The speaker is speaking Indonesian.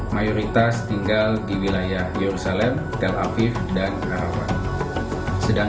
mayoritas adalah israel dan iran